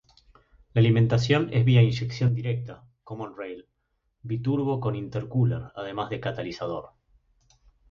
La alimentación es vía inyección directa, common-rail, biturbo con intercooler, además de catalizador.